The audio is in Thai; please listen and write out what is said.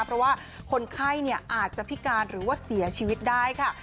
เพราะว่าคนไข้อาจจะพิการหรือว่าเสียชีวิตได้ค่ะ